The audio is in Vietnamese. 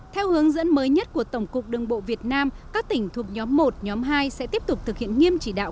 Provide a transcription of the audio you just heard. theo hướng dẫn mới nhất của tổng cục đường bộ việt nam các tỉnh thuộc nhóm một nhóm hai sẽ tiếp tục thực hiện nghiêm chỉ đạo